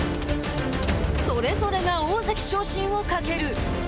それぞれが大関昇進をかける。